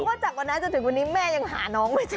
เพราะว่าจากวันนั้นจนถึงวันนี้แม่ยังหาน้องไม่ใช่